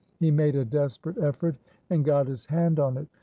He made a desperate effort and got his hand on it.